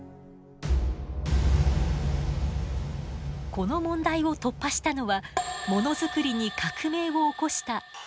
この問題を突破したのはものづくりに革命を起こしたある装置。